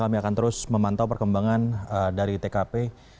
kami akan terus memantau perkembangan dari tkp